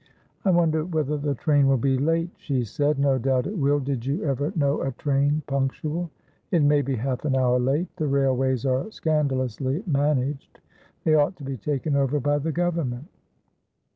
"I wonder whether the train will be late?" she said. "No doubt it will; did you ever know a train punctual? It may be half an hour late. The railways are scandalously managed. They ought to be taken over by the government."